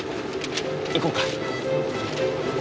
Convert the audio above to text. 行こうか。